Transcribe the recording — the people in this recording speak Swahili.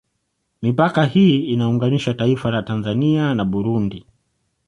Mipaka hii inaunganisha taifa la Tanzania na Burundi